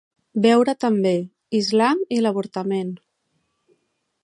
Veure també: Islam i l'avortament.